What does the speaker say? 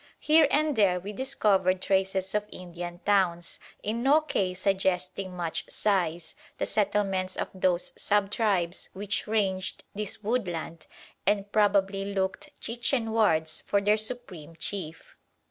Here and there we discovered traces of Indian towns, in no case suggesting much size, the settlements of those sub tribes which ranged this woodland and probably looked Chichen wards for their supreme chief.